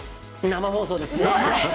生放送ですね。